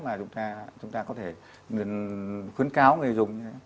mà chúng ta có thể khuyến cáo người dùng